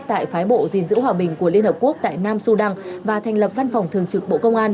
tại phái bộ gìn giữ hòa bình của liên hợp quốc tại nam sudan và thành lập văn phòng thường trực bộ công an